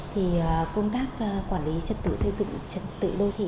thì công tác quản lý trật tự xây dựng trật tự đô thị